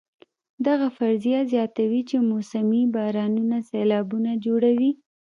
دغه فرضیه زیاتوي چې موسمي بارانونه سېلابونه جوړوي.